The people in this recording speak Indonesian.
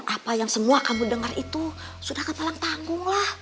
apa yang semua kamu dengar itu sudah kepala tanggunglah